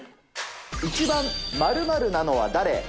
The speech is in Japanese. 一番〇〇なのは誰？